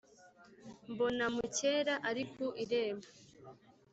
mbona mukera ari ku irembo